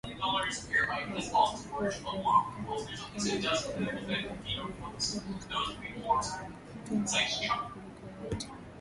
kuwapeleka pwani na Zanzibar kulikokuwa na soko la watumwa kubwa kuliko yote